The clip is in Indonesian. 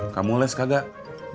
kamu les kagak